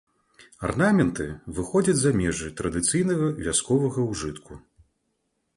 Арнаменты выходзяць за межы традыцыйнага вясковага ўжытку.